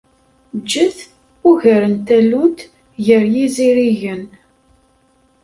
Ǧǧet ugar n tallunt gar yizirigen.